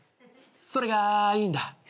それがいいんだ。